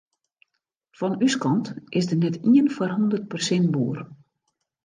Fan ús kant is der net ien foar hûndert persint boer.